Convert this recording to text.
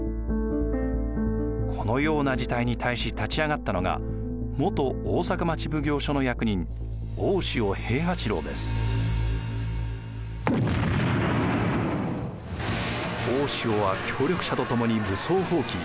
このような事態に対し立ち上がったのが大塩は協力者と共に武装蜂起。